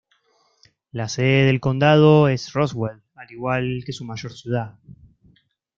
La sede del condado es Roswell, al igual que su mayor ciudad.